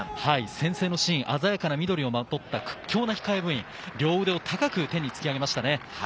先制のシーン、鮮やかな緑をまとった屈強な控え部員、両腕を高く天に突き上げました。